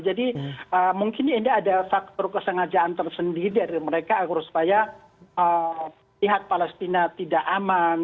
jadi mungkin ini ada faktor kesengajaan tersendiri dari mereka agar supaya pihak palestina tidak aman